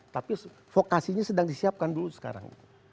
tapi vokasinya sedang disiapkan dulu sekarang